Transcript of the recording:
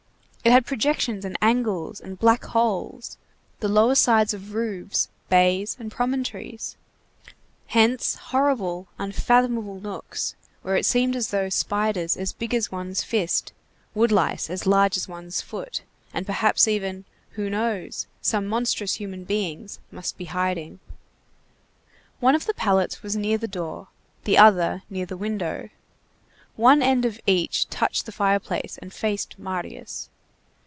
It had projections and angles and black holes, the lower sides of roofs, bays, and promontories. Hence horrible, unfathomable nooks where it seemed as though spiders as big as one's fist, wood lice as large as one's foot, and perhaps even—who knows?—some monstrous human beings, must be hiding. One of the pallets was near the door, the other near the window. One end of each touched the fireplace and faced Marius.